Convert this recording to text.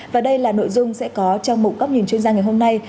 và đây là nội dung sẽ có trong một góc nhìn chuyên gia ngày hôm nay